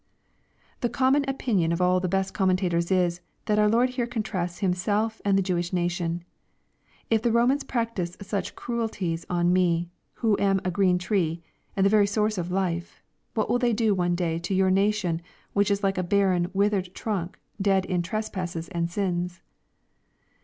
] The common opinion of all the best commentators is, that our Lord here contrasts Himself and the Jewish nation. " If the Romans practise such cruelties on me, who am a green tree, and the very source of life, what will they do one day to your nation, which is like a barren, withered trunk, dead in trespasses and sins?"